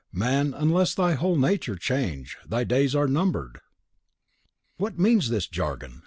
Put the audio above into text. Man, unless thy whole nature change, thy days are numbered!" "What means this jargon?"